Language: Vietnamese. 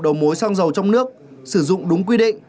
đầu mối xăng dầu trong nước sử dụng đúng quy định